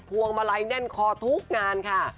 พวงมาลัยแน่นคอทุกงานค่ะ